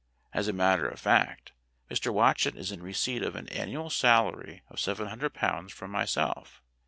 As a matter of fact, Mr. Watchet is in receipt of an annual salary of seven hundred pounds from myself.